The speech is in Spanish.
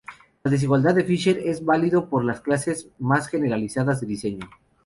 La desigualdad de Fisher es válido por clases más generalizadas de diseño.